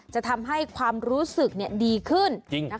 จะทำให้ความรู้สึกดีขึ้น